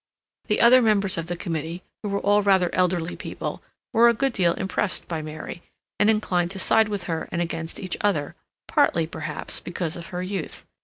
The other members of the committee, who were all rather elderly people, were a good deal impressed by Mary, and inclined to side with her and against each other, partly, perhaps, because of her youth.